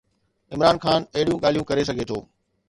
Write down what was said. عمران خان اهڙيون ڳالهيون ڪري سگهي ٿو.